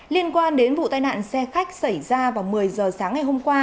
liên quan đến vụ tai nạn xe khách xảy ra vào một mươi giờ sáng ngày hôm qua